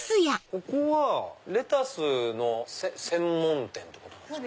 ここはレタスの専門店ってことなんですか？